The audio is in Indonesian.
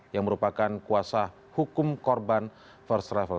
yang merupakan kuasa hukum korban first travel